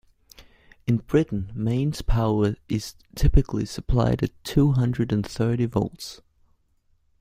In Britain, mains power is typically supplied at two hundred and thirty volts